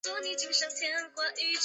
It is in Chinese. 石皋子。